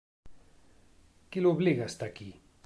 Qui l’obliga a estar aquí?